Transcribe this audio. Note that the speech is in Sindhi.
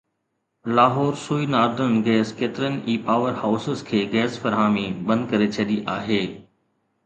لاهور سوئي ناردرن گئس ڪيترن ئي پاور هائوسز کي گئس فراهمي بند ڪري ڇڏي آهي